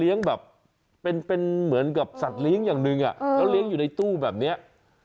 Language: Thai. เลี้ยงจังเลี้ยงแบบเป็นเหมือนกับสัตว์เลี้ยงอย่างหนึ่งอะแล้วเลี้ยงอยู่ในตู้แบบเนี้ย